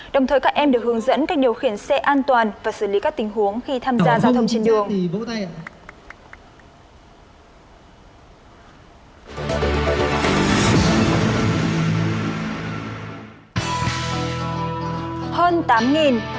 đồng thời các em được hướng dẫn cách điều khiển xe an toàn và xử lý các tình huống khi tham gia giao thông trên đường